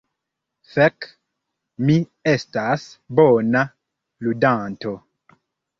Fek, mi estas bona ludanto.